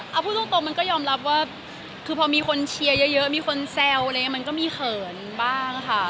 คือพูดตรงมันก็ยอมรับว่าคือพอมีคนเชียร์เยอะมีคนแซวมันก็มีเขินบ้างค่ะ